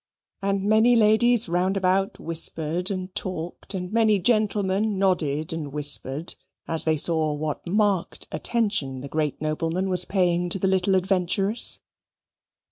And many ladies round about whispered and talked, and many gentlemen nodded and whispered, as they saw what marked attention the great nobleman was paying to the little adventuress.